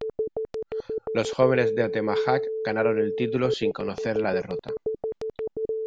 Los jóvenes de Atemajac ganaron el título sin conocer la derrota.